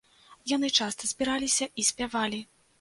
Яны часта збіраліся і спявалі.